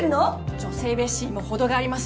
女性蔑視にも程があります。